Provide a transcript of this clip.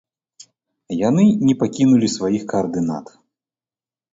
Яны не пакінулі сваіх каардынат.